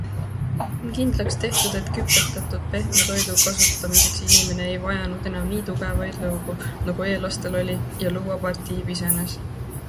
On kindlaks tehtud, et küpsetatud pehme toidu kasutamiseks inimene ei vajanud enam nii tugevaid lõugu, nagu eellastel oli ja lõuapartii pisenes.